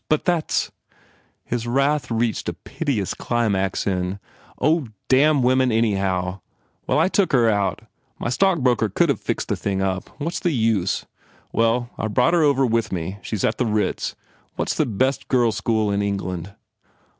But that s" His wrath reached a piteous climax in, "Oh, damn women, anyhow! ... Well I took her out. My broker could have fixed the thing up. What s the use? Well, I brought her over with me. She s at the Ritz. What s the best girls school in England?"